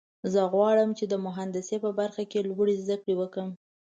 زه غواړم چې د مهندسۍ په برخه کې لوړې زده کړې وکړم